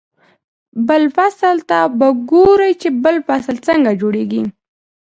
بل فصل ته به ګوري چې بل فصل څنګه جوړېږي.